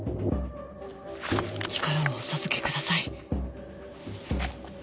力をお授けください